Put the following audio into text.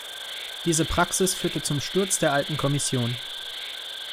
Diese Praxis führte zum Sturz der alten Kommission.